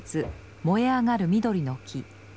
「燃えあがる緑の木」。